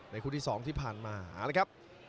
ในครู่ที่๒ที่ผ่านมานะครับ